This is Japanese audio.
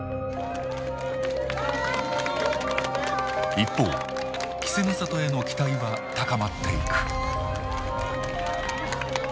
一方稀勢の里への期待は高まっていく。